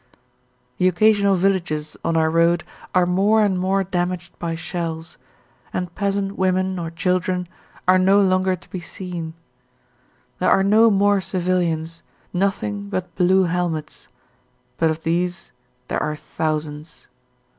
The occasional villages on our road are more and more damaged by shells, and peasant women or children are no longer to be seen; there are no more civilians, nothing but blue helmets, but of these there are thousands.